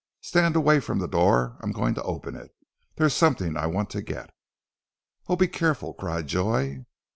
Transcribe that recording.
Stand away from the door. I'm going to open it. There's something I want to get." "Oh, be careful!" cried Joy.